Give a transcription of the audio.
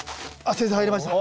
先生入りました。